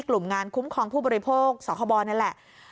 กลุ่มงานคุ้มครองผู้บริโภคสคบนี่แหละ